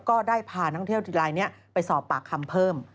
ก็ได้พานักเที่ยวลายนี้ไปสอบปากคำเพิ่ม